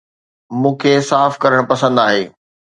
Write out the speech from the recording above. مون کي صاف ڪرڻ پسند آهي